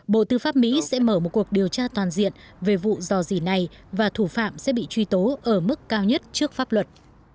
bộ tư pháp mỹ sẽ mở một cuộc điều tra toàn diện về vụ dò dỉ này và thủ phạm sẽ bị truy tố ở mức cao nhất trước pháp luật